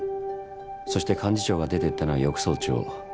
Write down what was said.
そして幹事長が出てったのは翌早朝。